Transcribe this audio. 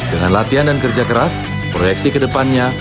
dengan latihan dan kerja keras proyeksi kedepannya